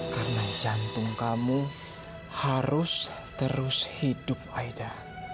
karena jantung kamu harus terus hidup aida